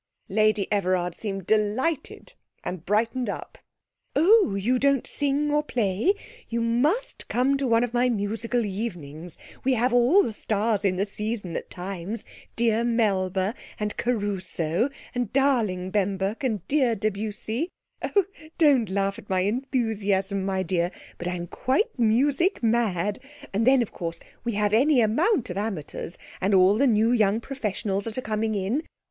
Lady Everard seemed delighted and brightened up. 'Oh, you don't sing or play? you must come to one of my Musical Evenings. We have all the stars in the season at times dear Melba and Caruso and darling Bemberk and dear Debussy! Oh! don't laugh at my enthusiasm, my dear; but I'm quite music mad and then, of course, we have any amount of amateurs, and all the new young professionals that are coming on.